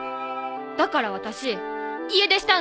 だから私家出したんだ！